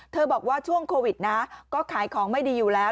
บอกว่าช่วงโควิดนะก็ขายของไม่ดีอยู่แล้ว